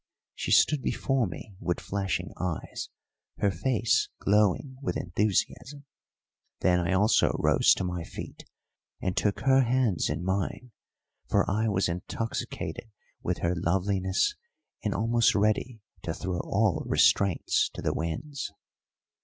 She stood before me with flashing eyes, her face glowing with enthusiasm; then I also rose to my feet and took her hands in mine, for I was intoxicated with her loveliness and almost ready to throw all restraints to the winds.